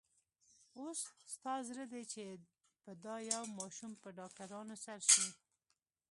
اوس ستا زړه دی چې په دا يوه ماشوم په ډاکټرانو سر شې.